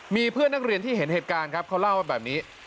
มีเพื่อนนักเรียนที่เห็นเหตุการณ์ครับเขาเล่าแบบนี้